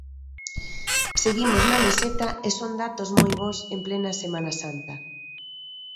Seguimos na meseta e son datos moi bos en plena semana santa.